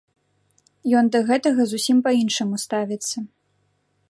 Ён да гэтага зусім па-іншаму ставіцца.